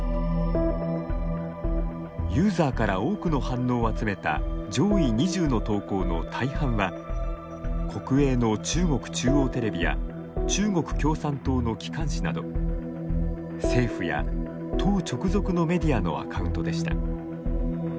ユーザーから多くの反応を集めた上位２０の投稿の大半は国営の中国中央テレビや中国共産党の機関紙など政府や党直属のメディアのアカウントでした。